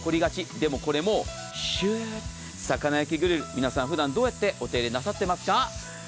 でも、これ魚焼きグリル普段どうやってお手入れなさっていますか？